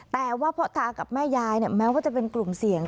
แต่ว่าพ่อตากับแม่ยายแม้ว่าจะเป็นกลุ่มเสี่ยง